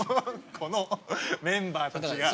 このメンバーたちが。